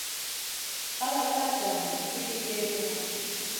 Hakak ka djami sigi kegena.